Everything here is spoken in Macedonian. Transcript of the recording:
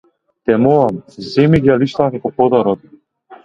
Те молам, земи ги алиштава како подарок.